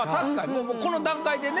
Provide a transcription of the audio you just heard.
もうこの段階でね。